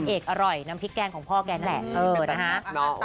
เอกอร่อยน้ำพริกแกงของพ่อแกนั่นแหละเนื้อนะฮะเนี้ย